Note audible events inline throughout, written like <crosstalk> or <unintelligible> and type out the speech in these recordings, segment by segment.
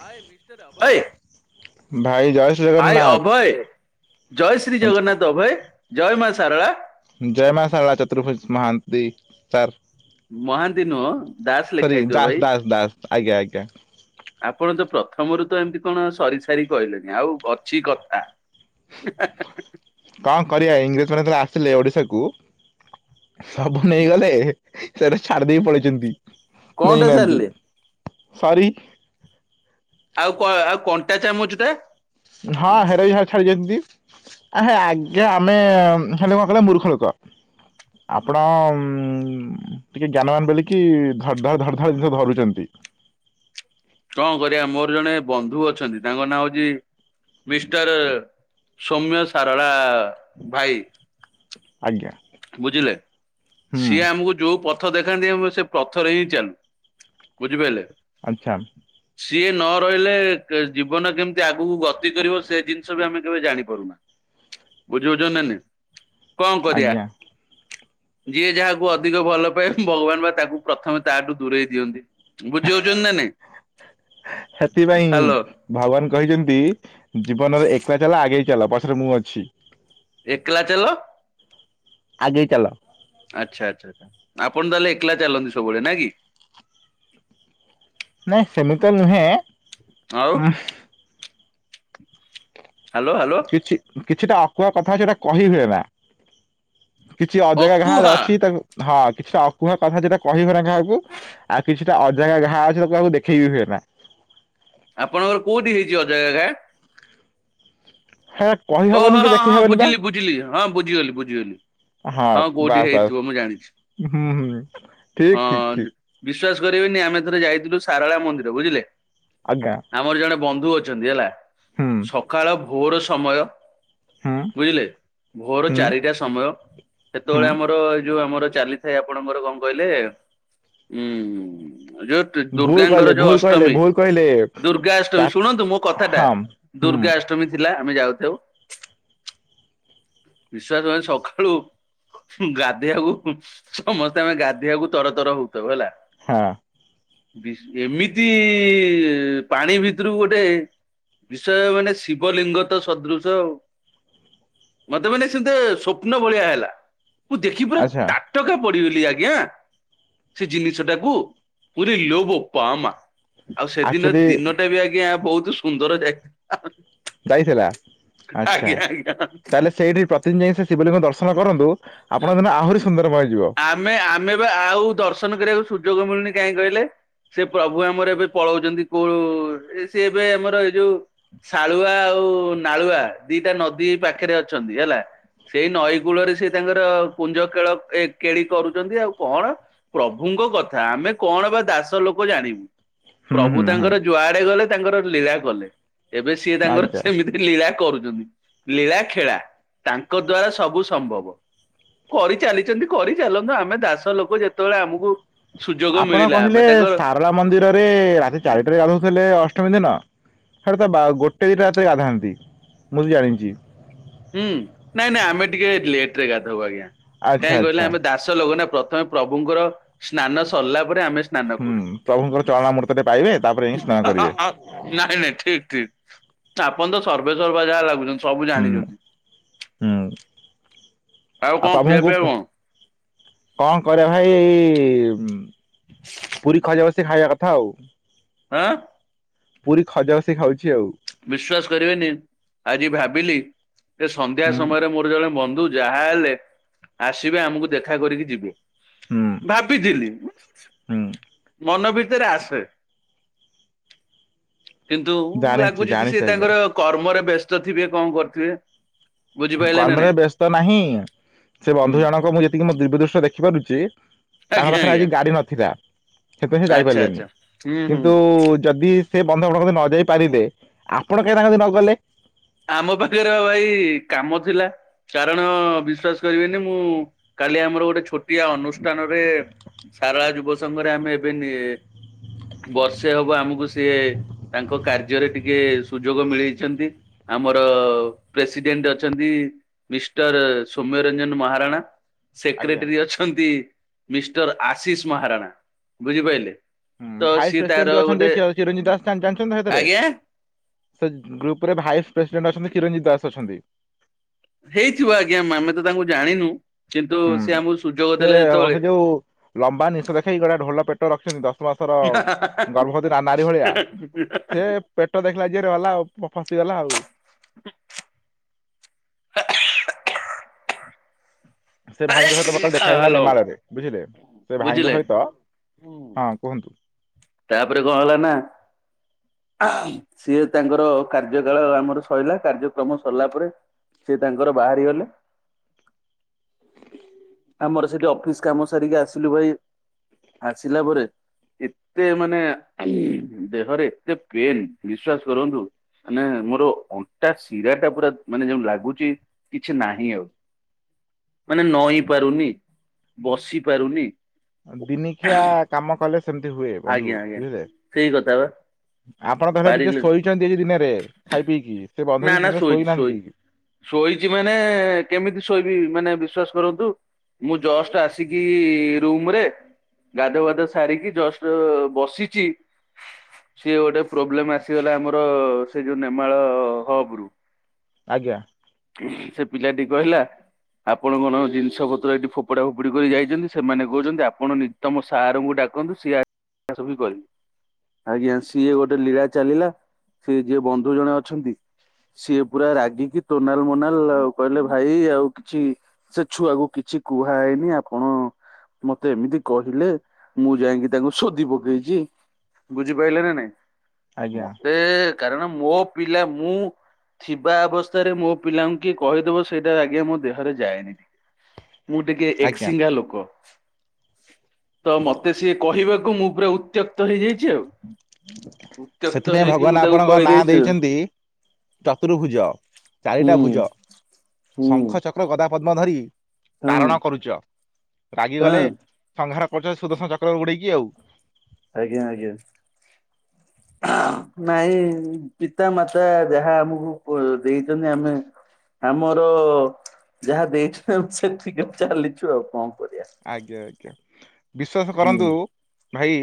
ହାଏ mister Abhay, ଏ ଭାଇ ଜୟ ଶ୍ରୀ ହାଏ ଜଗନ୍ନାଥ ଅଭୟ, ଜୟ ଶ୍ରୀ ଜଗନ୍ନାଥ ଅଭୟ, ଜୟ ମା ସାରଳା ଜୟ ମାହା ସାରଳା ଚତୁର୍ଭଜ ମହାନ୍ତି ସାର୍ ମହାନ୍ତି ନୁହ? ସରି ଦାସ ଦାସ ଦାସ, ଆଜ୍ଞା ଆଜ୍ଞା ଆପଣ ତ ପ୍ରଥମରୁ ତ ଏମିତି କଣ ସରି ସାରି କହିଲେନି ଆଉ ଅଛି କଥା ହ <unintelligible> କଣ କରିବା ଇଂରେଜୀ ମାନେ ଯେତେବେଳେ ଆସିଲେ ଓଡ଼ିଶାକୁ ସବୁ ନେଇଗଲେ ସେଟା ଛାଡିଦେଇକି ପଳେଇଛନ୍ତି। ନେଇ କଣଟା ନାହାନ୍ତି ସାରିଲେ ସରୀ ଆଉ କଣ କଣ୍ଟା ଚାମଚ ଟା? ହଁ ହେରାଇ ହେ ଛାଡିଛନ୍ତି ଆ ହେ ଆଗେ ଆମେ ହେଲେ କଣ କହିଲ ମୂର୍ଖ ଲୋକ ଆପଣ ଟିକେ ଜ୍ଞାନ ମାନ ବୋଲି କି ଧ-ଧଡ଼-ଧର-ଧର ଜିନିଷ ଧରୁଛନ୍ତି କଣ କରିବା ମୋର ଜଣେ ବନ୍ଧୁ ଅଛନ୍ତି ତାଙ୍କ ନାଁ ହଉଛି ମିଷ୍ଟର ସୌମ୍ୟ ସାରଳା ଭାଇ। ଆଜ୍ଞା। ବୁଝିଲେ ହୁଁ ସିଏ ଆମକୁ ଯୋଉ ପ୍ରଥ ଦେଖାନ୍ତି ଆମେ ସେ ପ୍ରଥରେ ହିଁ ଚାଲୁ ବୁଝିପାରିଲେ ଆଚ୍ଛା। ହ <inaudible> ସିଏ ନ ରହିଲେ ଜୀବନ କେମିତି ଆଗକୁ ଗତି କରିବ ସେ ଜିନିଷ ବି ଆମେ କେବେ ଜାଣିପାରୁନୁ ବୁଝି ହେଉଛି ନା ନାଇଁ, କଣ କରିବା? ଆଜ୍ଞା ଯିଏ ଯାହାକୁ ଅଧିକ ଭଲ ପାଏ ଭଗବାନ ବା ତାକୁ ପ୍ରଥମେ ତାଠୁ ଦୂରେଇ ଦିଅନ୍ତି। ବୁଝିହଉଛନ୍ତି ନା ନାଇଁ ସେଥିପାଇଁ ହ୍ୟାଲୋ ଭଗବାନ କହିଛନ୍ତି ଜୀବନରେ ଏକଲା ଚାଲ ଆଗେଇ ଚାଲ ପଛରେ ମୁଁ ଅଛି। ଏକଲା ଚାଲ ଆଗେଇ ଚାଲ ଆଚ୍ଛା ଆଚ୍ଛା ଆଛା। ଆପଣ ତାହେଲେ ଏକଲା ଚାଲନ୍ତି ସବୁବେଳେ ନା କି? ନାଇଁ ସେମିତି ନୁହେଁ ହାଲୋ ହାଲୋ। କିଛି କିଛିଟା ଅକୁହା କଥା ସେଟା କହି ହୁଏ ନା କିଛି ଅଜଗା ଘାଁରେ ଅକୁହା ଅଛି ତାକୁ ହଁ କିଛିଟା ଅକୁହା କଥା ଯେଟା କହି ହୁଏ ନା କାହାକୁ। ଆଉ କିଛିଟା ଅଜଗା ଘା ଅଛି ତାକୁ ଦେଖେଇ ହୁଏ ନା। ଆପଣଙ୍କର କୋଉଠି ହେଇଛି ଅଜଗା ଘା? ହା ଓ ହଁଁ ହଁ ବୁଝିଲି ବୁଝିଲି ହଁ ବୁଝିଗଲି ବୁଝିଗଲି। ହଁ କୋଉଠି ବାସ୍ ବାସ୍ ହେଇଥିବ ମୁଁ ଜାଣିଛି ହୁଁ ହୁଁ। ଠିକ୍ ଠିକ୍ ଠିକ୍ ହଁ। ବିଶ୍ଵାସ କରିବେନି ଆମେ ଥରେ ଯାଇଥିଲୁ ସାରଳା ମନ୍ଦିର ବୁଝିଲେ ଆଜ୍ଞା। ଆମର ଜଣେ ବନ୍ଧୁ ଅଛନ୍ତି, ହେଲା ହୁଁ ସକାଳ ଭୋର ସମୟ ହୁଁ ବୁଝିଲେ ଭୋର ହୁଁ ଚାରିଟା ସମୟ ହୁଁ। ସେତେବେଳେ ଆମର ଏଇ ଯୋଉ ଆମର ଚାଲିଥାଏ ଆପଣଙ୍କର କଣ କହିଲେ ଉୁଁ ଯତ ଭୁଲ କହିଲେ ଦୁର୍ଗାଙ୍କର ଯୋଉ ଭୁଲ କହିଲେ ଅଷ୍ଟମୀ, ଭୁଲ କହିଲେ ଚା ଦୁର୍ଗାଷ୍ଟମୀ ଶୁଣନ୍ତୁ ମୋ କଥାଟା ହଁ ହୁଁ। ଦୁର୍ଗାଷ୍ଟମୀ ଅଷ୍ଟମୀ ଥିଲା ଆମେ ଯାଉଥାଉ, ବିଶ୍ଵାସ କରିବେନି ସକାଳୁ ଗାଧୋଇବାକୁ ସମସ୍ତେ ଆମେ ଗାଧେଇବାକୁ ତର ତର ହଉଥାଉ ହେଲା ହଁ। ବିସ୍ ଏମିତି ପାଣି ଭିତରୁକୁ ଗୋଟେ ବିଷୟ ମାନେ ଶିବଲିଙ୍ଗ ତ ସଦୃଶ ମୋତେ ମାନେ ସେମିତି ସ୍ୱପ୍ନ ଭଳିଆ ହେଲା। ମୁଁ ଦେଖି ପୁରା ଆଚ୍ଛା ତା ଟକା ପଡିଗଲି ଆଜ୍ଞା, ସେ ଜିନିଷ ଟାକୁ ପୁରି ଲୋ ବପା ମା ଆଉ ସେଦିନ ଆକ୍ଚୁଆଲି ଦିନଟା ବି ଆଜ୍ଞା ବହୁତ ସୁନ୍ଦର ଯା ଯାଇଥିଲା, ଆଚ୍ଛା, ଆଜ୍ଞା ଆଜ୍ଞା ତାହେଲେ ସେଇଠି ପ୍ରତିଦିନ ଯାଇକି ସେ ଶିବଲିଙ୍ଗ ଦର୍ଶନ କରନ୍ତୁ ଆପଣଙ୍କ ଦିନ ଆହୁରି ସୁନ୍ଦରମୟ ଯିବ। ଆମେ ଆମେ ବା ଆଉ ଦର୍ଶନ କରିବାକୁ ସୁଯୋଗ ମିଳୁନି। କାଇଁ କହିଲେ ସେ ପ୍ରଭୁ ଆମର ଏବେ ପଳଉଚନ୍ତି କୋଉ ଏ ସିଏ ଏବେ ଆମର ଏଇ ଯୋଉ ଶାଳୁଆ ଆଉ ନାଳୁଆ ଦିଟା ନଦୀ ପାଖରେ ଅଛନ୍ତି ହେଲା ସେଇ ନଈ କୂଳରେ ସିଏ ତାଙ୍କର କୁଞ୍ଜ କେଳ ଏ କେଳି କରୁଚନ୍ତି ଆଉ କଣ ପ୍ରଭୁଙ୍କ କଥା ଆମେ କଣ ବା ଦାସ ଲୋକ ଜାଣିବୁ। ହୁଁ ହୁଁ ପ୍ରଭୁ ହୁଁ ତାଙ୍କର ଯୁଆଡେ ଗଲେ ତାଙ୍କର ଲୀଳା କଲେ। ଏବେ ସିଏ ତାଙ୍କର ଆଜ୍ଞା। ସେମିତି ଲୀଳା କରୁଚନ୍ତି। ଲୀଳା ଖେଳା ତାଙ୍କ ଦ୍ଵାରା ସବୁ ସମ୍ଭବ। କରିଚାଲିଚନ୍ତି, କରିଚାଲନ୍ତୁ, ଆମେ ଦାସ ଲୋକ ଯେତେବେଳେ ଆମକୁ ସୁଯୋଗ ଆପଣ ମିଳିଲା ଆମେ କହିଲେ ତାଙ୍କର ସାରଳା ମନ୍ଦିରରେ ରାତି ଚାରିଟାରେ ଗାଧଉଥିଲେ ଅଷ୍ଟମୀ ଦିନ। ସେଟା ପା ବା ଗୋଟେ ଦିଟା ରାତିରେ ଗାଧାନ୍ତି ମୁଁ ଜାଣିଚି। ହୁଁ, ନାଇଁ ନାଇଁ ଆମେ ଟିକେ ଲେଟୂ ରେ ଗାଧଉ ଆଜ୍ଞା, ଆଚ୍ଛା କାହିଁ କହିଲେ ଆଚ୍ଛା। ଆମେ ଦାସ ସ ଲୋକ ନା ପ୍ରଥମେ ପ୍ରଭୁଙ୍କର ସ୍ନାନ ସରିଲା ପରେ ଆମେ ସ୍ନାନ ହୁଁ, ପ୍ରଭୁଙ୍କର ଚଳନା ମୂର୍ତ୍ତ ଟେ ପାଇବେ, ତାପରେ ହଁ, ଯାଇକି ସ୍ନାନ ହଁ, କରିବେ ଆଅ, ନାଇଁ ନାଇଁ ଠିକ ଠିକ ତ ଆପଣ ତ ସର୍ବେ ସର୍ବା ଯାହା ଲାଗୁଚନ୍ତି। ସବୁ ହୁଁ ଜାଣିଚନ୍ତି। ହୁଁ, ଆଉ ଆ, କଣ ଖିଆ ପ୍ରଭୁଙ୍କୁ ପିଆ ପ କଣ କଣ କରିବା ଭାଇ ଏଇ ଉଁ, ପୁରୀ ଖଜା ବସ ସେ ଖାଇବା କଥା ଆଉ। ଆଁ, ପୁରୀ ଖଜା ବସି ଖାଉଛି ଆଉ। ବିଶ୍ଵାସ କରିବେନି ଆଜି ଭାବିଲି ଯେ ସନ୍ଧ୍ୟା ହୁଁ ସମୟରେ ମୋର ଜଣେ ବନ୍ଧୁ ଯାହା ହେଲେ ଆସିବେ ଆମକୁ ଦେଖା କରିକି ଯିବେ। ହୁଁ। ଭାବିଥିଲି, ହୁଁ ମନ ଭିତରେ ଆସେ। କିନ୍ତୁ ଜାଣିଛି ଲାଗୁଚି ତି ଜାଣିଛି ସିଏ ଆଜ୍ଞା ତାଙ୍କର କର୍ମରେ ବ୍ୟସ୍ତ ଥିବେ କଣ କରଥିବେ। କର୍ମରେ ବ୍ୟସ୍ତ ନାହିଁ, ସେ ହୁଁ ବନ୍ଧୁ ଜଣକ ମୁଁ ଯେତିକି ମୋ ଦିବ୍ୟ ଦୃଷ୍ଟି ର ଦେଖି ପାରୁଛି ତାଙ୍କ ଆଜ୍ଞା ପାଖରେ ଆଜ୍ଞା ଆଜି ଗାଡି ନଥିଲା ସେଥିପାଇଁ ସେ ଆଚ୍ଛା ଯାଇପାରିଲେନି। ଆଚ୍ଛା ହୁଁ ହୁଁ। କିନ୍ତୁ ଯଦି ସେ ବନ୍ଧ ଆପଣଙ୍କ କତିକି ନ ଯାଇ ପାରିବେ, ଆପଣ କାହିଁକି ତାଙ୍କ କତିକି ନ ଗଲେ? ଆମ ପାଖରେ ଭାଇ କାମ ଥିଲା। କାରଣ ବିଶ୍ଵାସ କରିବେନି ମୁଁ କାଲି ଆମର ଗୋଟେ ଛୋଟିଆ ଅନୁଷ୍ଠାନରେ ସାରଳା ଯୁବ ସଂଘରେ ଆମେ ଏବେ ନେ ବର୍ଷେ ହବ ଆମକୁ ସିଏ ତାଙ୍କ କାର୍ଯ୍ୟରେ ଟିକେ ସୁଯୋଗ ମିଳେଇଚନ୍ତି। ଆମର ପ୍ରେସିଡେଣ୍ଟ ଅଛନ୍ତି ମିଷ୍ଟର ସୌମ୍ୟରଞ୍ଜନ ମହାରଣା। ଆଜ୍ଞା ସେକ୍ରେଟେରୀ ଅଛନ୍ତି ମିଷ୍ଟର ଆଶିଷ ମହାରଣା ବୁଝିପାଇଲେ। ହୁଁ, ତ ଭାଇସ୍ ସିଏ ତାର ପ୍ରେସିଡେଣ୍ଟ ଅଛନ୍ତି ଗୋଟେ ଚିରଞ୍ଜିତ ଦାସ ଜା-ଜାଣିଛନ୍ତି ନେ ସେଥିରେ? ଆଜ୍ଞା ସେ ଗ୍ରୁପ୍ ରେ ଭାଇସ୍ ପ୍ରେସିଡେଣ୍ଟ ଅଛନ୍ତି ଚିରଞ୍ଜିତ ଦାସ ଅଛନ୍ତି। ହେଇଥିବ ଆଜ୍ଞା ଆମେ ତ ତାଙ୍କୁ ଜାଣିନୁ। କିନ୍ତୁ ହୁଁ, ସେ ହୁଁ, ଆମକୁ ସୁଯୋଗ ସେ ଦେଲେ ଯେତେବେଳେ ଅହେ ଯୋଉ ଲମ୍ବା ନିଷ ଦେଖେଇ ଗୋଟେ ଢୋଲ ପେ ଟ ରଖିଛନ୍ତି ଦଶ ମାସର ଗର୍ଭବତୀ ନା ନାରୀ ଭଳିଆ। ସେ ପେଟ ଦେଖିଲା ଯିଏ ରହିଲା ଆଉ ଫ-ଫସିଗଲା ଆଉ। <inaudible> ସେ ଭାଇଙ୍କ ସହିତ ମୋର ଦେଖା ହେଇଥିଲା ହ୍ୟାଲୋ ନେମାଳରେ ବୁଝିଲେ। ସେ ଭାଇଙ୍କ ବୁଝିଲେ ସହିତ ହଁ କୁହନ୍ତୁ। ତାପରେ କଣ ହେଲା ନା। ସିଏ ତାଙ୍କର କାର୍ଯ୍ୟ କାଳ ଆମର ସରିଲା କାର୍ଯ୍ୟକ୍ରମ ସରିଲା ପରେ ସିଏ ତାଙ୍କର ବାହାରି ଗଲେ। ଆମର ସେଠି ଅଫିସ୍ କାମ ସାରିକି ଆସିଲୁ ଭାଇ। ଆସିଲା ପରେ ଏତେ ମାନେ ଦେହରେ ଏତେ। ପେନ୍ ବିଶ୍ଵାସ କରନ୍ତୁ। ମାନେ ମୋର ଅଣ୍ଟା ଶିରା ଟା ପୁରା ମାନେ ଯେମିତି ଲାଗୁଛି କିଛି ନାହିଁ ଆଉ। ମାନେ ନଇଁ ପାରୁନି, ବସି ପାରୁନି। ଆଉ ଦିନିଖିଆ କାମ କଲେ। ସେମତି ହୁଏ ବନ୍ଧୁ ଆଜ୍ଞା ଆଜ୍ଞା ବଝିଲେ ସେଇ କଥା ବା ଆପଣ ତାହଲେ ଟିକେ ପାରିଲି ଶୋଇ ଛନ୍ତି କି ଦିନରେ, ଖାଇ ପିଇକି, ସେ ବନ୍ଧୁ ନା ଆଜି ନା ଦିନରେ ଶୋଇଛି ଶୋଇ ଶୋଇଛି ନାହାନ୍ତି। ଶୋଇଛି ମାନେ ‌କେମିତି ଶୋଇବି ମାନେ ବିଶ୍ଵାସ କରନ୍ତୁ ମୁଁ ଜଷ୍ଟ ଆସି କି ରୁମ ରେ ଗାଧୁଆ ପାଧୁଆ ସାରିକି ଜଷ୍ଟ ବସିଛି। ସିଏ ଗୋଟେ ପ୍ରୋବ୍ଲେମ ଆସିଗଲା ଆମର ସେ ଯୋଉ ନେମାଳ ହବ ରୁ। ଆଜ୍ଞା। ସେ ପିଲାଟି କହିଲା। ଆପଣ କଣ ଜିନିଷ ପତ୍ର ଏଠି ଫୋପଡା ଫୋପଡି କରି ଯାଇଛନ୍ତି ସେମାନେ କହୁଛନ୍ତି ଆପଣ ନିଜେ ତମ ସାରଙ୍କୁ ଡାକନ୍ତୁ ସିଏ ଆସି କରିବି। ଆଜ୍ଞା ସିଏ ଗୋଟେ ଲୀଳା ଚାଲିଲା ସିଏ ଯିଏ ବନ୍ଧୁ ଜଣେ ଅଛନ୍ତି। ସିଏ ପୁରା ରାଗିକି ତୋନାଲ ମୋନାଲ ଆଉ କହିଲେ ଭାଇ ଆଉ କିଛି। ସେ ଛୁଆକୁ କିଛି କୁହା ହେଇନି ଆପଣ। ମତେ ଏମିତି କହିଲେ ମୁଁ ଯାଇକି ତାଙ୍କୁ ସୋଧି ପକେଇଛି। ବୁଝିପାରିଲେ ନା ନାଇଁ। ଆଜ୍ଞା ମତେ କାରଣ ମୋ ପିଲା ମୁଁ। ଥିବା ଅବସ୍ଥାରେ ମୋ ପିଲାଙ୍କୁ କିଏ କହିଦବ ସେଇଟା ଆଜ୍ଞା ମୋ ଦେହରେ ଯାଏନି। ମୁଁ ଟିକେ ଏକ ଆଜ୍ଞା। ସିଙ୍ଗା ଲୋକ। ତ ମତେ ସିଏ କହିବାକୁ ମୁଁ ପୁରା ଉତ୍ତ୍ୟକ୍ତ ହେଇଯାଇଛି ଆଉ। ଉତ୍ୟକ୍ତ ସେଥିପାଇଁ ହେଇକି ଭଗବାନ ମୁଁ ତାକୁ ଆପଣଙ୍କ କହି ନାଁ ଦେଇଛି ଆଉ। ଦେଇଛନ୍ତି ଚତୁର୍ଭୁଜ, ହୁଁ ଚାରିଟା ଭୁଜ। ହୁଁ ଶଙ୍ଖ ଚକ୍ର ଗଦା ପଦ୍ମ ଧରି। ହଁ ତାରଣ କରୁଛ। ହଁ ରାଗିଗଲେ ସଂହାର କରୁଛ ସୁଦର୍ଶନ ଚକ୍ର ଉଡେଇକି ଆଉ। ଆଜ୍ଞା ଆଜ୍ଞା। ନାଇଁ ପିତା ମାତା ଯାହା ଆମକୁ ପ ଦେଇଛନ୍ତି ଆମେ। ଆମର ଯାହା ଦେଇଛନ୍ତି ଆମେ ସେତିକ ରେ ଚାଲିଛୁ ଆଉ କଣ କରିବା। ଆଜ୍ଞା ଆଜ୍ଞା ବିଶ୍ଵାସ ହୁଁ। କରନ୍ତୁ। ଭାଇ,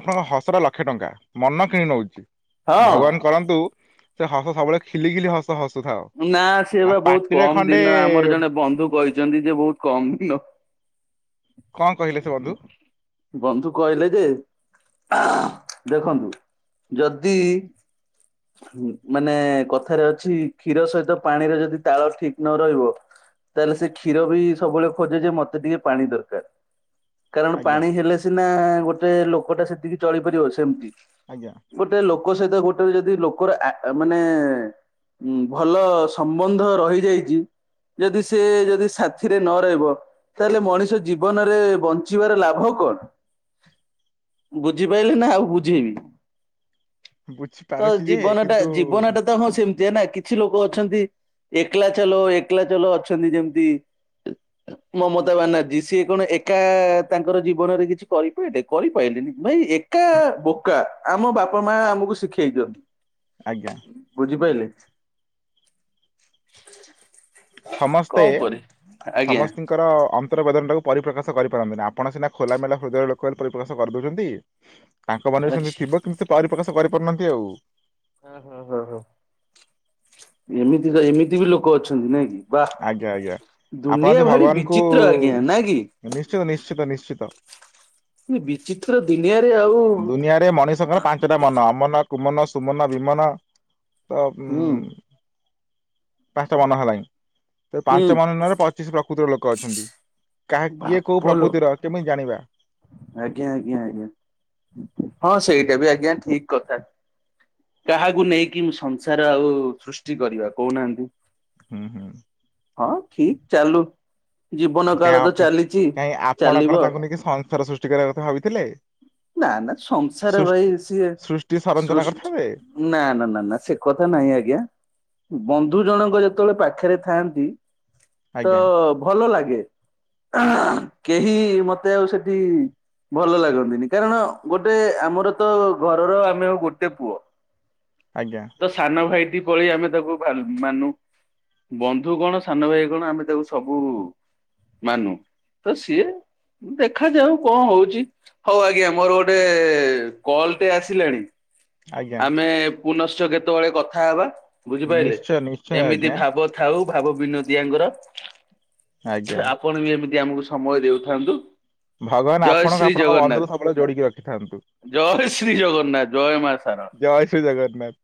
ଆପଣଙ୍କ ହସଟା ଲକ୍ଷେ ଟଙ୍କା, ମନ କିଣି ନଉଛି ହଁ ଭଗବାନ। କରନ୍ତୁ ସେ ହସ ସବୁବେଳେ ଖିଲି ଖିଲି ହସ୍ ସ ହସୁଥାଅ। ନା ସିଏ ଆଉ ବା ବହୁତ ପାଟିରେ କମ ଖଣ୍ଡେ ଦିନ ଆମର ଜଣେ ବନ୍ଧୁ କହିଛନ୍ତି ଯେ ବହୁତ କମ ଦିନ। କଣ କହିଲେ ସେ ବନ୍ଧୁ? ବନ୍ଧୁ କହିଲେ ଯେ। ଦେଖନ୍ତୁ, ଯଦି। ଉଁ ମାନେ କଥାରେ ଅଛି। କ୍ଷୀର ସହିତ ପାଣିର ଯଦି ତାଳ ଠିକ ନ ରହିବ। ତାହେଲେ ସେ କ୍ଷୀରବି ସବୁବେଳେ ଖୋଜେ ଯେ ମତେ ଟିକେ ପାଣି ଦରକାର। କାରଣ ଆଜ୍ଞା ପାଣି ହେଲେ ସିନା ଗୋଟେ ଲୋକଟା ସେତିକି ଚଳିପାରିବ ସେମିତି। ଆଜ୍ଞା। ଗୋଟେ ଲୋକ ସହିତ ଗୋଟେ ଯଦି ଲୋକର ଆ ମାନେ ଉଁ ଭଲ ସମ୍ବନ୍ଧ ରହିଯାଇଛି। ଯଦି ସେ ଯଦି ସାଥିରେ ନ ରହିବ। ତାହେଲେ ମଣିଷ ଜୀବନରେ ବଞ୍ଚିବାର ଲାଭ କଣ? ବୁଝିପାଇଲେ ନା ଆଉ ବୁଝେଇବି? ତ ବୁଝିପାରୁଛି ଯେ ଜୀବନଟା କିନ୍ତୁ ଜୀବନଟା ତ ହଁ ସେମତିଆ ନା କିଛି ଲୋକୋ ଅଛନ୍ତି ଏକ୍ଲା ଚାଲୋ ଏକ୍ଲା ଚାଲୋ ଅଛନ୍ତି ଯେମିତି ମମତା ବାନାର୍ଜୀ ସିଏ କଣ ଏକା ତାଙ୍କର ଜୀବନରେ କିଛି କରିପାରିଲେ କରିପାରଲେନି ଭାଇ ଏକ ଏକା ବୋକା ଆମ ବାପା ମା ଆମୁକୁ ଶିଖେଇଚନ୍ତି। ଆଜ୍ଞା। ବୁଝିପାଇଲେ। ସମସ୍ତେ କଣ ପରେ ଆଜ୍ଞା ସମସ୍ତି ଙ୍କର ଅନ୍ତର୍ବେଦନାଟାକୁ ପରିପ୍ରକାଶ କରିପାରନ୍ତି ନାଁ ଆପଣ ସିନା ଖୋଲା ମେଲା ହୃଦୟର ଲୋକୋ ବୋଲି ପରିପ୍ରକାଶ କରିଦେଉଚନ୍ତି। <inaudible> ତାଙ୍କ ମନରେ ସେମିତି ଆଚ୍ଛା ଥିବ କିନ୍ତୁ ସେ ପରିପ୍ରକାଶ କରିପାରୁନାହାନ୍ତି ଆଉ। ହଁ ହଁ ହଁ ହଁ ଏମିତିକା ଏମିତି ବି ଲୋକୋ ଅଛନ୍ତି ନାଇଁ କି? ବା ଆଜ୍ଞା ଆଜ୍ଞା। ଦୁନିଆ ଭାରି ବିଚିତ୍ର ଆଜ୍ଞା ନା କି? ନିଶ୍ଚିୟ ନିଶ୍ଚିତ ନିଶ୍ଚିତ। ସେ ବିଚିତ୍ର ଦିନିଆରେ ଆଉ ଟେ ମଣିଷଙ୍କର ପାଞ୍ଚଟା ମନ ଅମନ କୁମନ ସୁମନ ବିମନ ତ ଉଁ ହୁଁ ପାଞ୍ଚଟା ମନ ହେଲାଣି ସେ ହୁଁ ପାଞ୍ଚ ମନରେ ପ ଚିଶି ପ୍ରକୃତିର ଲୋକ ଅଛନ୍ତି। କାହା କିଏ କୋଉ ବାପଲୋ ପ୍ରକୃତିର କେମିତି ଜାଣିବା? ଆଜ୍ଞା ଆଜ୍ଞା ଆଜ୍ଞା। ହଁ ସେଇଡ଼ା ବି ଆଜ୍ଞା ଠିକ କଥା। କାହାକୁ ନେଇକି ମୁଁ ସଂସାର ଆଉ ସୃଷ୍ଟି କରିବା କୋହୁନାହାନ୍ତି। ହୁଁ ହୁଁ। ହଁ ଠିକ ଚାଲୁ। ଜୀବନ କାଇଁ କାଳ ତ ଆପକା ଚାଲିଛି କାଇଁ ଆପଣ ଚାଲିବ କଣ ତାଙ୍କୁ ନେଇକି ସଂସାର ସୃଷ୍ଟି କରିବା କଥା ଭାବିଥିଲେ? ନା ନା ସଂସାର ଭାଇ ସୃଷ୍ଟି ସିଏ ସୃଷ୍ଟି ସରଞ୍ଚନା ସୃଷ୍ଟି କରିଥାନ୍ତେ ନା ନା ନା ନା ସେ କଥା ନାହିଁ ଆଜ୍ଞା। ବନ୍ଧୁ ଜଣଙ୍କ ଯେତୋବୋଳେ ପାଖେରେ ଥାଆନ୍ତି। ତ ଆଜ୍ଞା ଭଲ ଲାଗେ କେହି ମତେ ଆଉ ସେଠି ଭଲ ଲାଗନ୍ତିନି। କାରଣ ଗୋଟେ ଆମରତ ଘରର ଆମେ ଆଉ ଗୋଟେ ପୁଅ। <inaudible> ଆଜ୍ଞା। ତ ସାନ ଭାଇଟି ପଳି ଆମେ ତାକୁ ଭାନ୍ ମାନୁ। ବନ୍ଧୁ କଣ ସାନ ଭାଇ କଣ ଆମେ ତାକୁ ସବୁ ମାନୁ ତ ସିଏ ଦେ ଖାଯାଉ କଁ ହୋଉଚି ହଉ ଆଜ୍ଞା ମୋରୋ ଗୋଟେ କଲ ଟେ ଆସିଲାଣି ଆଜ୍ଞା। ଆମେ ପୁନଶ୍ଚ କେତୋବୋଳେ କଥା ହବା ବୁଝିପାଇଲେ ନିଶ୍ଚୟ ନିଶ୍ଚୟ ଏମିତି ଆଜ୍ଞା ଭାବ ଥାଉ ଭାବ ବିନୋଦିଆଙ୍କର ଆଜ୍ଞା। ଆପଣ ବି ଏମିତି ଆମକୁ ସମୟ ଦେଉଥାନ୍ତୁ। ଭଗବାନ ଜୟ ଆପଣଙ୍କୁ ଶ୍ରୀ ଆପଣଙ୍କ ଜଗନ୍ନାଥ ବନ୍ଧକୁ ସବୁବୋଳେ ଯୋଡିକି ରଖିଥାନ୍ତୁ। ଜୟ ଶ୍ରୀ ଜଗନ୍ନାଥ ଜୟ ମା ଶାରଳା। ଜୟ ଶ୍ରୀ ଜଗନ୍ନାଥ।